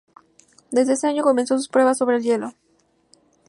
Desde ese año comenzó sus pruebas sobre el hielo.